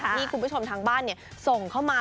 ที่คุณผู้ชมทางบ้านส่งเข้ามา